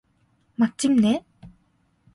마침내!